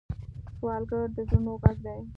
سوالګر د زړونو غږ دی